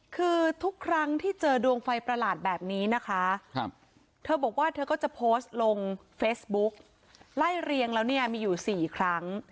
คือทุกครั้งที่เจอดวงไฟประหลาดแบบนี้นะคะเธอบอกว่าเธอก็จะโพสต์ลงเฟซบุ๊กไล่เรียงแล้วเนี่ยมีอยู่๔ครั้ง